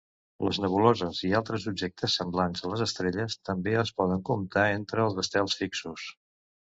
Les nebuloses i altres objectes semblants a les estrelles també es poden comptar entre els estels fixos.